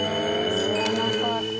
知らなかった。